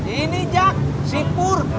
ini jack si pur